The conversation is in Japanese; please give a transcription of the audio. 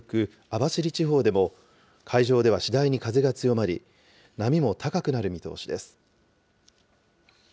網走地方でも、海上では次第に風が強まり、波も高くなる見通しです。